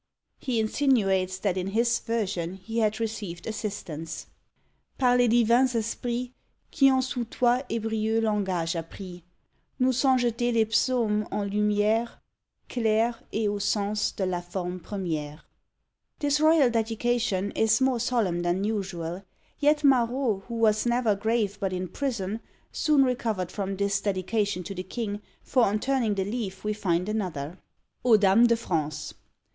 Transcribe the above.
He insinuates that in his version he had received assistance par les divins esprits Qui ont sous toy Hebrieu langage apris, Nous sont jettés les Pseaumes en lumiÃẀre Clairs, et au sens de la forme premiÃẀre. This royal dedication is more solemn than usual; yet Marot, who was never grave but in prison, soon recovered from this dedication to the king, for on turning the leaf we find another, "Aux Dames de France!"